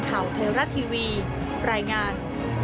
ข่าวไทยรัฐทีวีรายงาน